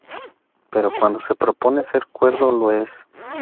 Pero cuando se propone ser cuerdo lo es.